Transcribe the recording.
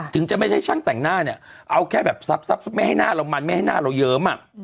จะไม่ใช่ช่างแต่งหน้าเนี่ยเอาแค่แบบซับไม่ให้หน้าเรามันไม่ให้หน้าเราเยิ้ม